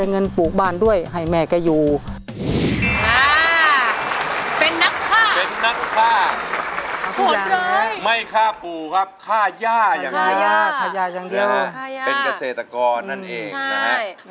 เพลงนี้อยู่ในอาราบัมชุดแรกของคุณแจ็คเลยนะครับ